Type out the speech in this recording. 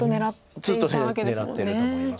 ずっと狙ってると思います。